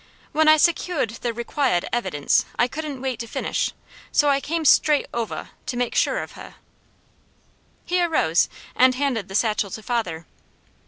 When I secuahed the requiahed evidence, I couldn't wait to finish, so I came straight ovah, to make sure of heh." He arose and handed the satchel to father.